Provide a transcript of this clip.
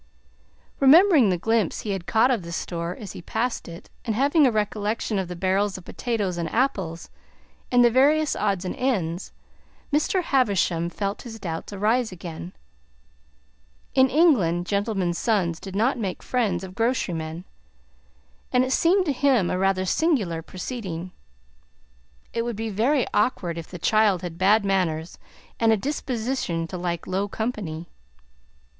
Remembering the glimpse he had caught of the store as he passed it, and having a recollection of the barrels of potatoes and apples and the various odds and ends, Mr. Havisham felt his doubts arise again. In England, gentlemen's sons did not make friends of grocerymen, and it seemed to him a rather singular proceeding. It would be very awkward if the child had bad manners and a disposition to like low company.